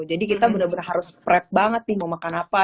jadi kita bener bener harus prep banget nih mau makan apa